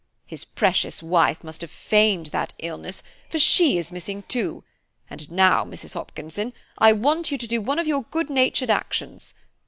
His precious wife must have feigned that illness, for she is missing too; and now, Mrs. Hopkinson, I want you to do one of your good natured actions.